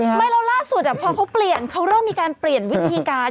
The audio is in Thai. ไม่แล้วล่าสุดพอเขาเปลี่ยนเขาเริ่มมีการเปลี่ยนวิธีการ